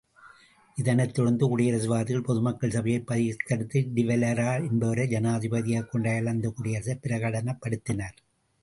இதனைத் தொடர்ந்து குடியரசுவாதிகள் பொதுமக்கள் சபையைப் பகிஷ்கரித்து டி வலெரா என்பவரை ஜனாதிபதியாகக் கொண்ட அயர்லாந்துக் குடியரசைப் பிரகடனப்படுத்தினர்.